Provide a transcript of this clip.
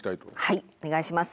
はいお願いします。